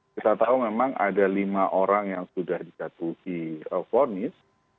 kita tahu memang ada lima orang yang sudah dijatuhi vonis